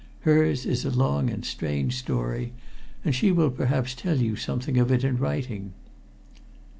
Hers is a long and strange story, and she will perhaps tell you something of it in writing."